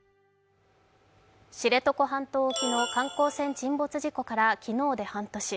知床半島沖の観光船沈没事故から昨日で半年。